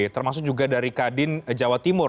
termasuk juga dari kadin jawa timur